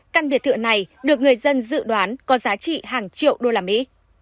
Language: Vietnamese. căn biệt thự này được người dân dự đoán có giá trị hàng triệu usd